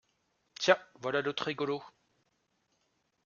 Tiens, voilà l'autre rigolo!